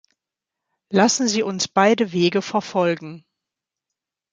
Lassen Sie uns beide Wege verfolgen.